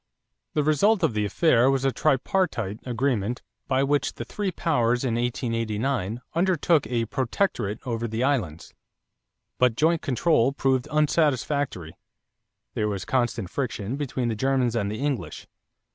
The result of the affair was a tripartite agreement by which the three powers in 1889 undertook a protectorate over the islands. But joint control proved unsatisfactory. There was constant friction between the Germans and the English.